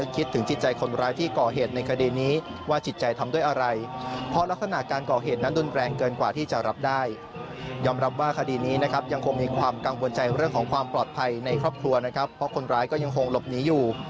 ใครในครอบครัวนะครับเพราะคนร้ายก็ยังคงหลบหนีอยู่